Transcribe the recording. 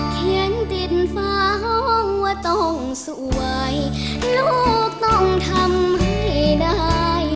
เขียนติดฟ้าห้องว่าต้องสวยลูกต้องทำให้ได้